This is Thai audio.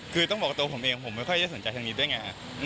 คือต้องบอกว่าตัวผมเองผมไม่ค่อยได้สนใจทางนี้ด้วยไง